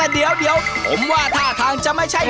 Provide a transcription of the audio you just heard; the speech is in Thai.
เดี๋ยวผมว่าท่าทางจะไม่ใช่